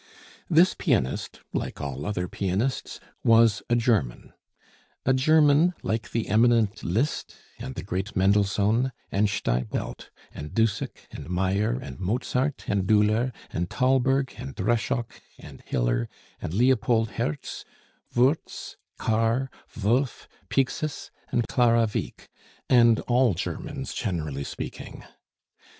This pianist, like all other pianists, was a German. A German, like the eminent Liszt and the great Mendelssohn, and Steibelt, and Dussek, and Meyer, and Mozart, and Doelher, and Thalberg, and Dreschok, and Hiller, and Leopold Hertz, Woertz, Karr, Wolff, Pixis, and Clara Wieck and all Germans, generally speaking.